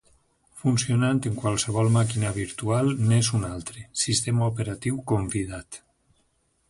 Funcionant en qualsevol màquina virtual n'és un altre, sistema operatiu "convidat".